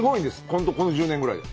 本当この１０年ぐらいで。